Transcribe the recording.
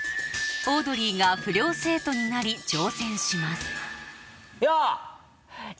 オードリーが不良生徒になり挑戦しますよい！